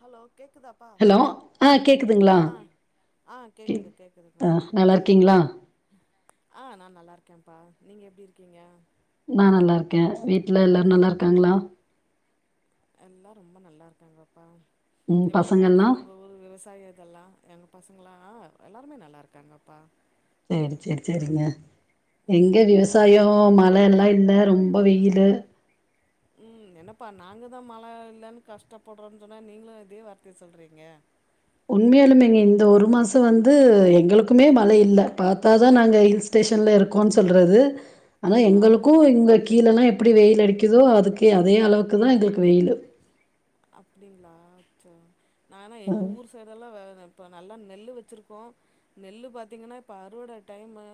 Hello. கேக்குதாப்பா hello ஆ கேக்குதுங்களா ஆ ஆ கேக் கேக்குது ஆ கேக்குதுங்கப்பா. நல்லா இருக்கீங்களா ஆ நா நல்லா இருக்கேன்ப்பா நீங்க எப்டி இருக்கீங்க? நா நல்லா இருக்கே வீட்டுல எல்லார் நல்லா இருக்காங்களா ஊரு எல்லா ரொம்ப நல்லா இருக்காங்கப்பா ம் எப்டி போகுது பசங்கல்லா உங்க ஊர் விவசாய கெல்லா எங்க பசங்களா எல்லாருமே நல்லா இருக்காங்கப்பா சேரி அதா சேரி சேரிங்க எங்க ஆ விவசாயொ மழ எல்லா இல்ல ரொம் இப்ப வெயிலு உம் என்னப்பா நாங்கதா மழ இல்லன்னு கஷ்டப்படுறோன்னு சொன்னா நீங்களு இதே வார்த்தைய சொல்றீங்க உண்மையாலுமேங்க இந்த ஒரு மாச சம் வந்து எங்களுக்குமே மழை இல்ல பாத்தா தா நாங்க ஹில் ஸ்டேஷன்ல இருக்கோனு சொல்றது ஆனா ஆ எங்களுக்கு இங்க கீழேல்லா எப்படி வெயில் அடிக்குதோ அதுக்கே அதே அளவுக்குதா எங்களுக்கு வெயிலு அப்டிங்களா அச்சோ நானா எங்க ம் ஊர் சேறல்லா வேற இப்போ நல்லா நெல் வச்சுருக்கோ நெல்லு பாத்தீங்கன்னா இப்போ அறுவட டைமு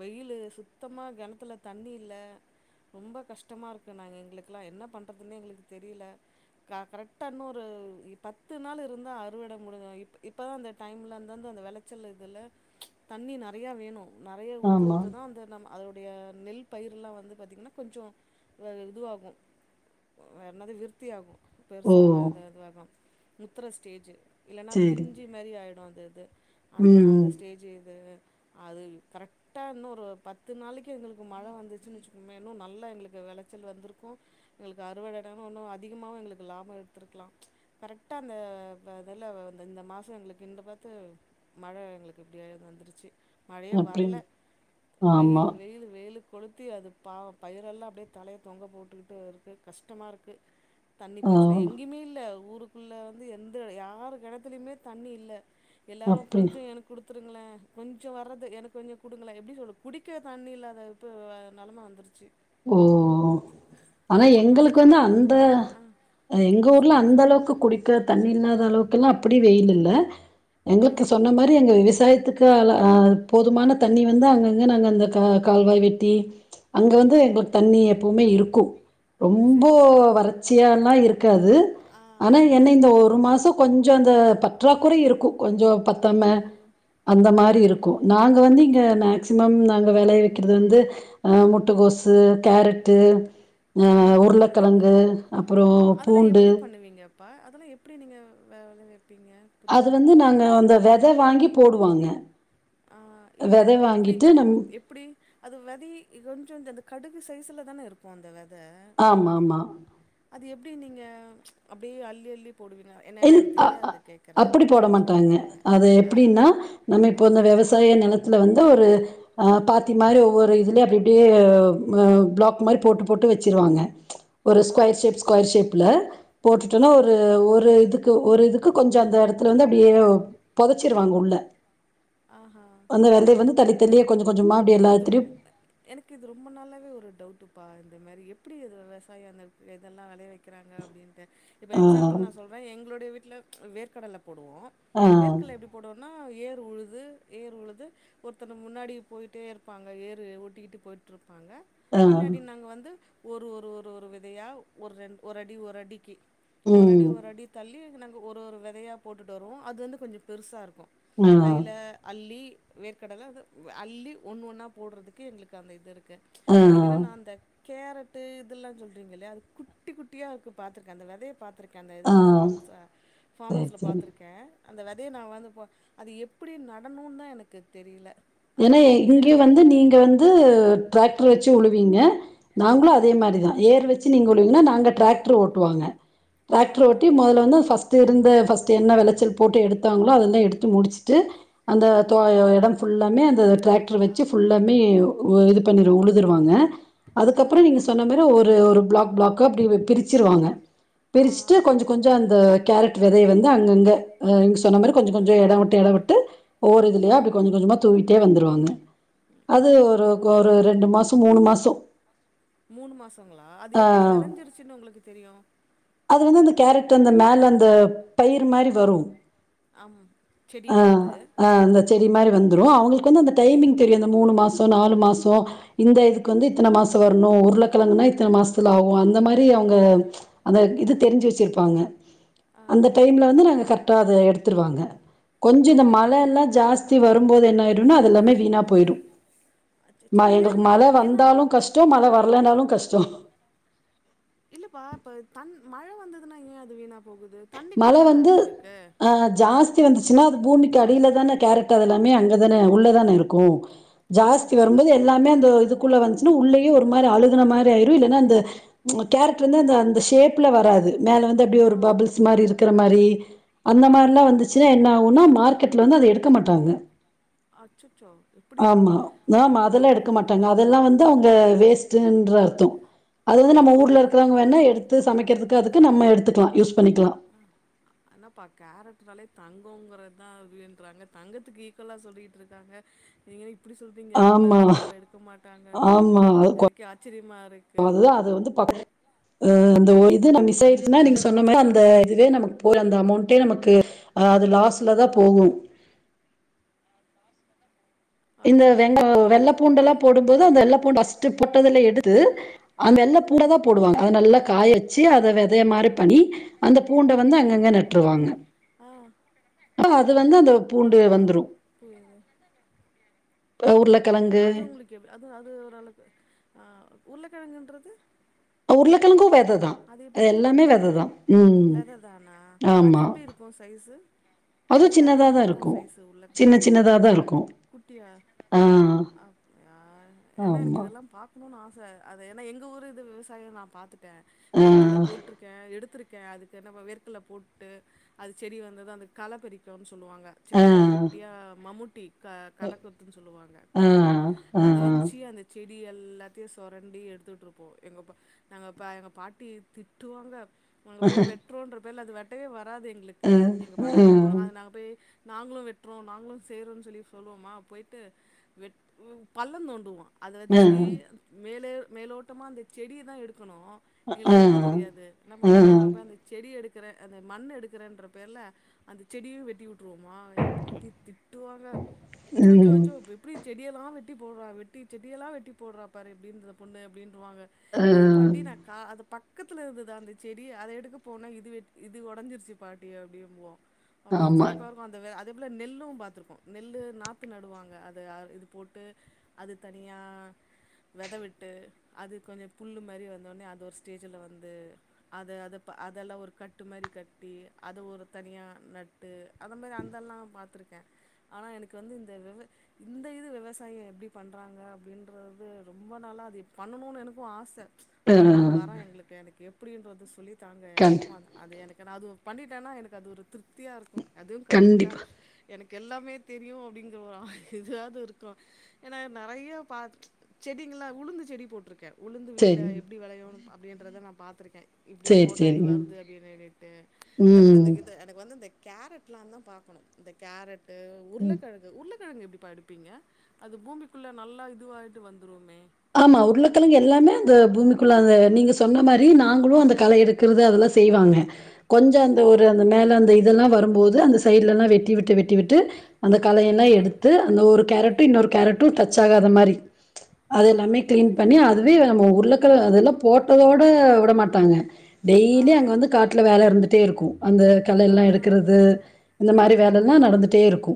வெயிலு சுத்தமா கெணத்துல தண்ணி இல்ல ரொம்ப கஷ்டமா இருக்கு நாங்க எங்களுக்கெலாம் என்ன பண்ணுறதுன்னே எங்களுக்கு தெரியல க கரெக்டா இன்னொரு பத்து நாள் இருந்தா அறுவட முடிஞ்சு இப் இப்போதா அந்த டைம்ல இருந்தந்த அந்த வெளச்சல் இதுல தண்ணி நெறையா வேணு நெறையா ஊத்த ஆமா ஊத்ததா அந்த நம் அதோடைய நெல் பயிரெலா வந்து பாத்திங்கன்னா கொஞ்சொ அ இதுவாகு வேறனது விருத்தியாகு ஓ பெருசாவது அது அதா முத்தர ஸ்டேஜ் இல்லைன்னா சேரி பிஞ்சி மாரி ஆகிடும் அந்த இது அந்த ம் அந்த ம் ஸ்டேஜ் இது அது கரெக்டா இன்னும் ஒரு பத்து நாளைக்கு எங்களுக்கு மழ வந்துச்சுன்னு வச்சுக்கோன் இன்னும் நல்லா எங்களுக்கு விளைச்சல் வந்திருக்கும் எங்களுக்கு அறுவடைடும் இன்னும் அதிகம எங்களுக் லாபம் எடுத்துருக்கலாம் கரெக்டாக அந்தில் அந்த வந்து இந்த மாசம் எங்களுக்கு கின் பார்த்து மழ எங்களுக்கு இப்படியது வந்துருச்சு மழையை அப்டின் வரல ஆமா வெயில் வெயில் வெயிலுக் கொளுத்தி அது பாவ பயிரெல்லாம் அப்படியே தலைய தொங்க போட்டுக்கிட்டு இருக்குது கஷ்டமா இருக்கு தண்ணி ஆ பிரச்சன எங்கேயுமே இல்ல ஊரு க்குள்ளே வந்து எந்த யார் கிடத்துலயுமே தண்ணி இல்ல எல்லாரும் அப்டி கொஞ்சோ எனக்கு கொடுத்துருங்களே கொஞ்சோ வர்ரறது எனக்கு கொஞ்சோ கொடுங்களேன் எப்படின்னு சொல்ல குடிக்க தண்ணி இல்லாத இப்போ அ நலமாக வந்துடுச்சு ஓ ஓ ஆனா ஒரு எங்களுக்கு நாளைக்கு வந்து ரெண்டு கொ அந்த ஆ ஆ அ எங்க என்ன ஊர்ல சொல்லுங்க அந்த சொல்லுங்க அளவுக்கு குடிக்க தண்ணி இல்லாத அளவுக்கு எல்லா அப்படி வெயில் இல்ல எங்களுக்கு ஆ சொன்ன மாரி எங்க விவசாயத்துக்கு அல்ல ஹா போதுமான தண்ணி வந்து அங்கங்க நாங்க அ கால் கால்வாய் வெட்டி அங்க வந்து ம் தண்ணி எப்பவுமே இருக்கும் ரொம்ப சரி சரி வறட்சியால்லா இருக்காது ஆ ஆனா ஆ என்ன இந்த புரியுது ஒரு மாசம் கொஞ்சு அந்த பற்றாக்குறை இருக்கு கொஞ்சோ பத்தாம ஓகே அந்த மாதிரி இருக்கு ம் நாங்க வந்து இங்க மேக்சிமம் நா விளைய வைக்கிறது வந்து முட்டகோஸ் கேரட்டு ம் அஹ் ம் புரியுது உருளக்கிழங்கு அப்புறோ பூண்டு அதெல்லா எப்டி நீங்க விளை அது வந்து நாங்க அந்த வித அத வாங்கி போடுவாங்க ஆஹ் விதை எப்டி வாங்கிட்டு நம் எப்டி அது வதி கொஞ்சோ அந்த கடுகு சைஸ்ல தானே இருக்கு அந்த அத ஆமா ஆமா அது எப்டி நீங்க அப்டி அள்ளி அள்ளி போடுவீங்க என்னன்னா இல் எனக்கு அ அ தெரியாது கேட்குற அப்படி போட தப்பாண்ணிச்சு மாட்டாங்க காத்திங்க அது ஆ எப்படின்னா நம்ம ஆ இப்போ இந்த விவசாய நெலத்துல வந்து ஒரு அ பாத்தி மாரி ஒவ்வொரு இதுல அப்டி அப்டியே பிளாக் மாரி போட்டு போட்டு வச்சிருவாங்க ஒரு ஆ ஸ்கொயர் ஷேப் ஸ்கொயர் ஷேப்ல போட்டுட்டேனா ஒரு சரி. ஒரு ஒரு இதுக்கு கொஞ்சோஅந்த இடத்துல வந்து அப்டியே பொதச்சிருவாங்க உள்ள ஆஹா அந்த விதைய வந்து தள்ளி தள்ளியே கொஞ்சம் கொஞ்சமா அப்படி எனக்கு இது ரொம் எல்லாத்துலயும் எனக்கு இது ரொம்ப நாளவே ஒரு டவுட்டுப்பா மாரி எப்டி அது விவசாய அந்த இதெல்லா வெளை வெக் க்கறாங்க அப்டின்ட்டு இப்போ எக்ஸாம்பிள் நா ஆ சொல்றே எங்களுடைய வீட்ல வேர்கடல போடுவோ ஆ வேர்க்கல எப்டி போடுவோனா ஹ ஏர் உழு து ஏறு உழுது ஒருத்தன முன்னாடி போயிட்டே இருப்பாங்க ஏறு ஒட்டிக்கிட்டு போயட்டு இருப் ப்பாங்க ஆ பின்னாடி நாங்க வந்து ஒரு ஒரு ஒரு ஒரு வெதையா ஒரு ரெண் ஒரு அடி ஒரு அடிக்கி ஒரு அடி ம் ஒரு அடி தள்ளி நாங் ஒரு ஒரு வெதையா போட்டுட்டு வருவோ அது வந்து கொஞ்சோ பெருசா இருக்கு ம் அ கையில அள்ளி வேர்க்கடல அது அள்ளி ஒன் னு ஒன்னா போடுறதுக்கு எங்களுக்கு அந்த இது இருக் க்கு ஆ எனக்கு என்னனா அந்த கேரட்டு இதெல்லா சொல்றீங்கல்லையா அது குட்டி குட்டியா இருக்கு பாத்தருக்க அந்த வெதைய பாத்துருக் அந்த ஆ இதில ஃபார்ம்ஸ் ஃபார்ம் சரி ஹவுஸ்ல சரி பார்த்துருக்கே அந்த விதையை நா வந் வா அது எப் அப்டி நடணு தா எனக்கு தெரியல ஏன்னா அதுதான் கேட்குறேன் இங்க அது வந்து நீங்க வந்து டிராக்டர் வெச்சு கொழூவீங்க நாங்களு அதே ம் மாரிதா ஏர் வச்சு நீங் கொழுவுனா நாங்க டிராக்டர் ஓட்டுவாங்க ஆ டிராக்டர் ஓட்டி ஆ முதல வந்து ஃபஸ்ட் இருந்த ஃபஸ் என்ன விளைச்சல் போட்டு எடுத்தாங்ளோ அதெல்லாம் எடுத்து முடிச்சுட்டு அந்த தொ ஓகே எடம் ஃபு புல்லாமே அந்த டிராக்டர் ஆ வச்சு ஃபுல்லாமே ஒ இது பண்ணிரு உழுதுருவாங்க ஆ அதுக்கப்புறம் நீங்க சொன்ன மாரி ஒரு ஒரு பிளாக் பிளாக் அப்படி பிரிச்சிருவாங்க ஆ ஆ பிரிச்சுட்டு கொஞ்சம் கொஞ்சம் அந்த கேரட் விதை வந்து அங்கங்க ஏ சொன்ன மாரி கொஞ்சம் கொஞ்சம் ம் இடம் விட்டு இடம் விட்டு ஒவ்வொரு இதுலாப்படி ம் கொஞ்சகொஞ்சமா விட்டே வந்துருவாங்க அது ஆ ஹா ஒரு ஹா ஒரு ரெண்டு மாசம் மூணு மாச சு மூணு மாசங்களா அது எப்படி விளைஞ்சிருச்சுன்னனு உங்களுக்கு தெரியும் அது வந்து அந்த கேரட் அந்த மேல அந்த பயிர் மாரி வரும் அம் ஆஹ் ஆஹ் இந்த செ மாரி வந்துரும் அவங்களுக்கு வந்து அந்த டைமிங் தெரியும் மூணு மாசம் நாலு மாசம் இந்த இதுக்கு வந்து இத்தனை மாசம் இன்னொ உருளைக்கிழங்கன்னா இத்தனை மாசத்துல ஆகும் அந்த மாரி அவங்க அந்த இது தெரிஞ்சு வச்சிருப்பாங்க அந்த டைம்ல வந்து நாங்க கரெக்ட்டா அத எடுத்துடுவாங்க கொஞ்சம் இந்த அப்டிங்க மழைல்லாம் ஜாஸ்தி வரும்போது என்ன அடுனே அதுெல்லாமே வீணா போயிரும் அச்சச்சோ ஏ எங்களுக்கு மழை ஏன்னா அது வந்தாலும் கஷ்டம் மழை வரலைனாலும் கஷ்டம் இல்லப்பா இப்ப தன் மழை வந்ததுன்னா ஏன் அது வீணா போகுது தண்ணிக்குள்ள மழை தானே வந்து அது இருக்கு ஆ ஜாஸ்தி வந்துச்சுன்னா அது பூமிக்கு அடியில தானே கேரட் அத எல்லாமே அங்கதானே உள்ளதானே இருக்கும் ஜாஸ்தி ஆமாப்பா வரும்போது எல்லாமே அந்த இதுக் ள்ள வந்துன்னா உள்ளேயே ஒரு மாதிரி அழுகன மாதிரி ஆயிரும் இல்லனா அந்த கேரட்டு வந்துஅந்த சேப்ல வராது மேல வந்து அப்டியே ஒரு ஆ பபுள்ஸ் இருக்குற மாரி அந்த ஆ மாரிலா வந்துச்சுனா என்ன ஆவோனா மார்கெட்ல வந்து அது எடுப் குடுக்க மாட்டாங்க அச்சச்சோ இப்டியா ஆமா ஆமா எ அதெல்லா எடுக்க மாட்டாங்க அதெல்லா வந்து அவுங்க வேஸ்டுன்ற அர்த்தோ அது வந்து நம்ம அப்டியா ஊர்ல இருக்குறவங்க வேணா எடுத்து சமைகுறதுக்கு அது இது நம்ம எடுத்துக்கலா யூஸ்ப் ஆனா பா கேரட் கேரட்னாலே தங்கோங்ர தா அப்டீன்றாங்க தங்கத்துக்கு ஈக்குவலா சொல்லிகிட்டு இருக்காங்க நீங்க என்ன இப் இப்டி சொல்றீங்க இது மாரி ஆமா, வந்தா அவ எடுக்க மாட்டாங்கன்ட்டு ஆமா. அது கொ எனக்கே ஆச்சரியமா இருக்கு அஹ் அந்த இது ந மிஸ் ஆயிடுச்சுன்னா நீங்க சொன்ன மா அந்த இதுவே நமக்கு போ அந்த அமௌண்டே நமக்கு அது லாஸ்லதா போகும் இந்த அச்சச்சோ வெங்க வெள்ளை புரியுது பூண்டு எல்லாம் புரியுது போடும்போது அந்த வெள்ளை பூண்டு பஸ்ட்டு பொட்டதுல எடுத்து அ வெள்ள பூ போடுவாங்க அதை நல்லா காய வச்சு அதை விதைய மாரி பண்ணி அந்த பூண்ட வந்து அங்கங்க நட்டுருவாங்க ஆ அ அது வந்து அந்த ஆ பூண்டு ஆ வந்துரும் புரியுது அ ஓகே ஓகே உருளைக்கிழங்கு அது உங்களுக்கு எவ் அது அது ஒரளவுக்கு அ அ ஓ உருளக்கெழங்குன்றது உருளக்கெழங்கு வெ அது எப்படி போடுவீங்க ம் வெததானா அது ஆமா எப்படி இருக்கும் சைசு அதுவும் அதுல அது சின்னதா எப்படி தான் இருக்கும் சைசு சின்ன ஊருளக்கெழங்கு சின்னதா தான் இருக்கும் குட்டியா ஆ அப்டியா ஏன்னா எனக்கு ஆமா இதெல்லாம் பாக்கணு ஆச ச அது ஏன்னா எங்க ஊரு இது விவசாயம் நான் பாத்துட்டேன் ஆ வேர்க்கடல போட்ருக்கே எடுத்திரு கே அதுக்கு நம்ம வேர்க்கல போட்டு அது செடி வந்தது அந்த களப்பறிக்கனு சொ சொல்லுவாங்க ஆ சின்னதாக ஆ குட்டியா மம்முட்டி க கல கொத்து சொல்லுவாங்க கொத்தது ஆ ஆ ஆ அத ஆ வச்சு அந்த செடி டி எல்லாத்தையும் சொரண்டி எடுத்துட்ருப்போ எங்க பா நாங்க பா எங்க பாட் ட்டி திட்டுவாங்க அங்க போய் வெற்றோன்ற பேர்ல அது வெட்டவே வ வராது எங்களுக்கு எங்க பாட்டி என்ன பண்ணும் அது நாங்க போய் நாங்களும் வெட்டுறோம் நாங்களும் செய்றோம்ன்னு சொல்லி சொல்லுவோமா போயிட்டு வெட் வு பள்ளம் தோண்டுவோம் அத வச்சு மேலே மேலோட்டமா அந்த செடியதா எடுக்கணும் எங்களுக்கு ஆ எடுக்க தெரியாது என்ன பண்ணுவோ ஆ நான் போய் அந்த செடிய எடுத் இருக்கிற அத மண் எடுக்கிறேன்ற பேர்ல அந்த செடியு வெட்டி விட்டுருவோமா எங்கள் பாட்டி திட்டுவாங்க சோ சோ ம் சோ எப்படி செடிய யலா வெட்டி போடுற வெட்டி செடியெல்லா வெட்டி போடுற பாரு எப்படி இருந்த இந்த பொண்ணு அப்படின்றுவாங்க ஆ இல்ல பாட்டி நா கா அது பக்கத்துல இருந்துதா அந்த செடிய அத எடுக்க போனே இது வெட் இது உடஞ்சிருச்சு பாட்டி அப்படிபோம் அப்புரோ ஆமா சிரிப்பா இருக்கும் அந்த வெ அந் இது எவ்ள நெல்லும் பாத்துருக்கோ நெல்லு நாத்து நடுவாங்க அது அ இது போட்டு அது தனியா வெதவிட்டு அது கொஞ்சோ புல்லு மாறி வந்தோடனே அது ஒரு ஸ்டேஜில்ல வந்து அத அத ப அதெல்லா ஒரு கட்டு மாறி கட்டி அத ஒரு தனியா நட்டு அதன் மாறி அந்தெல்லா பாத்துருக்கேன் ஆனா எனக்கு வந்து இந்த விவ இந்த இது விவசாயம் எப்படி பண்ணுறாங்க அப்படின்றது ரொம்ப நாளா அது பண்ணணும்னு எனக்கும் ஆச [unintelligible] ப்பா எங்களுக்கு அந்த கேம் எப்படி என்றதா சொல்லி தாங்க கண் எனக்கும் அது அது எனக்கு ஏதாதும் பண்ணிட்டானா எனக்கு அது ஒரு திருப்தியாக இருக்கும் அதுவு கத்துக்கிட்டா கண்டிப்பா எனக்கு எல்லாமே தெரியு அப்படிங்கற ஒரு ஆ இதுவது இருக்கும் ஏன்னா நெறையா பாத் செடிங்கலா உளுந்து செடி போட்டிருக்கே உளுந்து வீட்டில சரி எப்படி வேளையுனு எப்படின்றத நான் பாத்துருக்கே இப்படி சரி போட்டா இது சரிங்க வருது அப்படின்ன்ட்னு ம் [unintelligible] எனக்கு வந்து கேரட்லா தான் பாக்கணு இந்த கேரட் ஆ உருளக்கிழங்கு. உருளக் உருளைக்கிழங்கு எப்படிப எடுப்பீங்க அது பூமிக்குள்ள நல்லா இதுவாயிட்டு வந்துருமே ஆமா உருளைக்கிழங்கு எல்லாமே அது பூமிக்குள்ள அந்த நீங்க சொன்ன மாரி நாங்களு அந்த கள எடுக்கறது அதெல்லா செய்வாங்க கொஞ்சோ அந்த ஆ ஒரு அந்த மேல அந்த இதெல்லா வரும் போது அந்த சைடலலா வெட்டி விட்டு வெட்டி விட்டு அந்த களையள ஆ எடுத்து அந்த ஒரு கேரட் இன்னொரு கேரட்டு டச் ஆகாத மாரி அது எல்லாமே ஆ கிளீன் புரியுது பண்ணி அதுவே நம்ம உருளக்க அதெல்லா போட்டதோட விட மாட்டாங்க ஆ டெய்லி அங்க வந்து காட்ல வேல இருந்துடே இருக்கு அந்த ஆ களல எடுக்குறது இந்த மாரி வேலலா நடந்துட்டே இருக்கு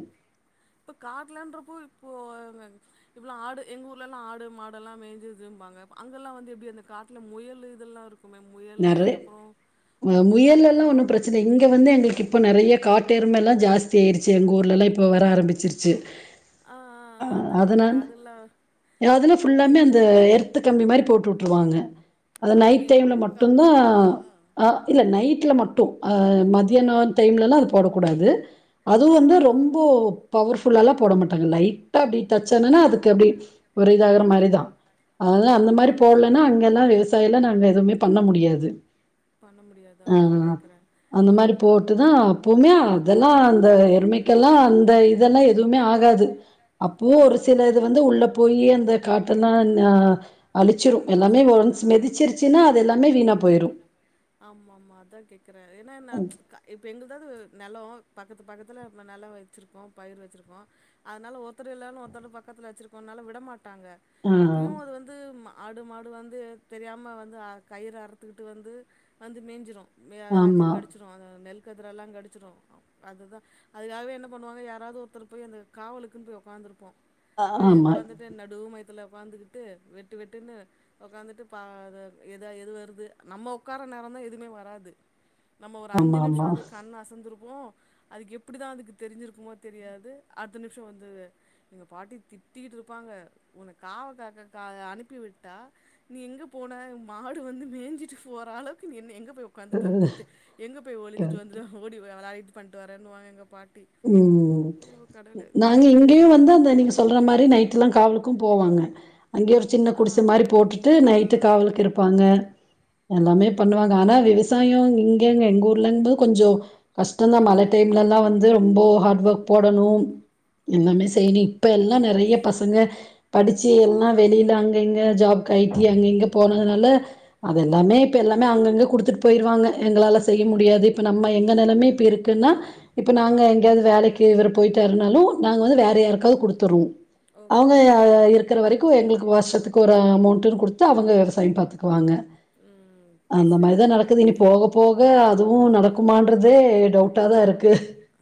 இப்ப காடுலண்றப்போ இப்போ இப்போல ஆடு ஏங்க ஊருலலா ஆடு மாடுல மெஞ்சுதுன்பங்க அங்கால வந்து எப்படி அந்த காட்டுல முயல் இதல்லா இருக் நறை ஹ வேற முயல்ல ஏதோ ஒன்னு பிரச்சனை இங்க வந்து எங்களுக்கு இப்ப நறைய காட்டு எருமலா ஜாஸ்தி ஆயிருச் எங்க ஊர்லல்ல இப்ப வர ஆரம்பிச்சிருச்சு ஆ ஹ ஆ அதா கேக்குறே அதனால அதெல்லா எப்டி ஃலமே அந்த அதெல்லா எர்த் கம்பி மாரி போட்டு விட்ருவாங்க அது நைட் அப்டியா டைம்ல உங்களுக்கு மட்டு அதெல்லா [unintelligible] அலோடா ஆ இல்ல நைட் [unintelligible] மட்டு ஹ மதியானம் டைம்லலா அது போடக்கூடாது அது ஆ வந்து ஆ ரொம்ப பவர்ஃ ஃபுல்ல போட மாட்டாங்க லை [unintelligible] டச்யானான அதுக்கு அப்டி [unintelligible] ம் மாரிதான் அதாது அந்த ஓகே மாரி ஓகே போடலைன்னா அங்கல்லா விவசாயல நாங்க எதுவுமே பண்ண முடியாது பண்ண முடியாது அதா ஆஹ் கேக்குறே அந்த மாரி அதுதா போட்டுதான் அப்பவுமே அதெல்லா அந்த எருமைகேல்லாம் அந்த இதெல்லா எதுவுமே ஆகாது அப்போ ஆ ஒரு சிலது வந்து உள்ள போய் இத கட்டனா என்னா அழிச்சிரும் எல்லாமே ஒன்ஸ் மெதிச்சிருச்சின்னா ம் ஆமா ஆமா அதா கேக்குறாரு என்னானா க இப்ப எங்கள்தா அதாது நெலம் பக்கத்து பக்கத்துல நெலம் வச்சிருக்கோ பயிர் வச்சிருக்கோ அதனால ஒருத்தர் இல்லனு ஒருத்தர் பக்கத்துல வச்சிருக்கனால விடமாட் ட்டாங்க அ ஆ அப்பையு அது வந்து ஆடு மாடு வந்து தெரியாம வந்து அ கயிற அறுத்துக்கிட்டு வந்து வந்து மேஞ்சிரூ [unintelligible] எல்லாத்தையு ஆமா. கடிச்சிடூ அத நெல் கதிரெல்லா கடிச்சிடு அது தா அதுக்காகவே என்ன பண்ணுவாங்க யாராவது ஒருத்தர் போய் அந்த காவலுக்குன்னு போய் ஒக்காந்திருப்போ அ போய் ஆமா. ஒக்காந்திட்டு நடுமைத் அதுல உக்காந்துகிட்டு வெட்டு வெட்டு வெட்டுன்னு உக்காந்துட்டு ப-எத எது வருது நம்ம உக்கார நேரோ தா எதுமே வராது நம்ம ஒரு அஞ்சு நிமிஷோ ஆமாமா. அது கண்ண அசந்திரு ஓ அதுக்கு எப்படிதா அதுக்கு தெரிஞ்சிருக்குமோ தெரியாது அட்த்த நிமிஷோ வந்து எங்க பாட்டி திட்டிக்கிட் ருப்பாங்க உன்ன காவ காக்க அ அனுப்பி விட்டா நீ எங்க போன மாடு வந்து மேஞ்சிட்டு போற அளவுக்கு என்ன எங்க போ போய் உக்காந்துட் கரெக்ட். வந்துட்டு எங்க போய் ஒலிஞ்சிட்டு கரெக்ட். வந்து ஓடி வெளையாட் பண்டு வரேன் வாங்க எங்க பாட் உம் ந நாங்க நெனச்சாலே இங்கேயு இதுவா வந்து அந்த இருக்கு நீங்க சொல்ற மாரி நைட் எல்லா காவலுக்கு போவாங்க அங்கேயே ஒரு சின்ன ஆ குடிச மாரி போட்டுட்டு ஆ நைட்டு காவலுக்கு இருப்பாங்க எல்லாமே ம் பண்ணுவாங்க ஆனா விவச சாயொ இங்கங்க எங்க ஊர்லங்கம் போது கொஞ்சொ கஷ்ட தா ஆ மல டைம்ல லா வந்து ரொம்போ ஹாட் ஒர்க் போடணு எல்லாமே ம் செய்னு இப்ப எல்லா நெறைய எ பசங்க படிச்சு எல்லா வெளில அங்க இங்க ஜாப்கு ஐ டி அங்க இங்க போரதுனால அதெல்லாமே இப்ப எல்லாமே அங்கங்க குடுத்துட் போயிருவாங்க எங்களால செய்ய முடியாது இப்ப நம்ம எ எ நெலைம்யே இப்டி இருக்குன்னா இப்ப நாங்க எங்கேயாவ்து வேலைக்கு விரு போயிட்டார் நாலு நாங்க வந்து வேற யார்க்காவ் குடுத்துருவு ஓகே அவுங்க ஓகே அ புரியுது இருக்கற புரியுது வரைக்கு எங்களுக்கு [unintelligible] அதுக்கு ஒரு அமௌண்ட்ன்னு குடுத்து அவங்க விவசாயம் பாத்துக்குவாங்க ம் அந்த மாரிதான் சேரிப்பா நடக்குது இனி போக போக அதுவும் நடக்குமான்றதே டவுட்டா தா இருக்கு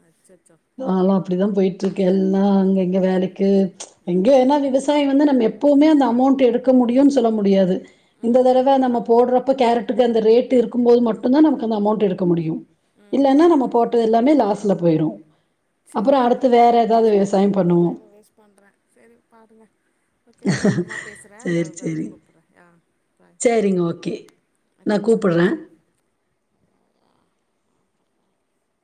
அச்சச்சோ நாலாம் அப்டிதான் போய்ட் டுர்க்கெல்லாம்ங்க ங்க வேலைக்கு ம்ச் ம் எங்கேன்னா விவசாயம் வந்து நம்ப எப்புமே அந்த ப் அமௌண்ட் எடுக்க முடியும் சொல்ல முடியாது இந்த ம் தடவ நம்மோ போடுறப்ப கேரட்டுக்கு அந்த ரேட் இருக்கும்போது மட்டும்தான் நமக்கு அந்த அமௌண்ட் எடுக்க முடியும் ம் இல்லன்னா நம்மோ ம் போட்ட எல்லாமே லாஸ் ல போய்ரும் செரிப்பா நா ரொம்ப நேரம் பேசுறன் போலருக்கு உங்க பண்ணுவோ. டைம் வேஸ்ட் பண்றன் செரி பாருங்க ஓகே நா அப்றமா பேசுறேன் சேரி எததுன சேரி கூப்புட்ற ஆன் பாய் சேரிங்க ஓகே. நா வச்சிரன் கூப்புட்றே.